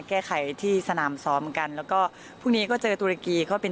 แก้ไขที่สนามซ้อมกันแล้วก็พรุ่งนี้ก็เจอตุรกีก็เป็น